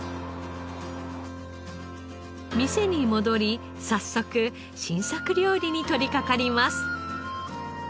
店に戻り早速新作料理に取りかかります。